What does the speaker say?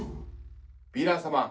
ヴィラン様